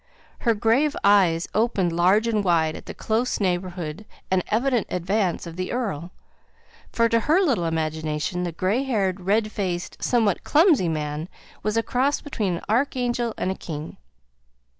Her grave eyes opened large and wide at the close neighbourhood and evident advance of "the earl;" for to her little imagination the grey haired, red faced, somewhat clumsy man, was a cross between an arch angel and a king.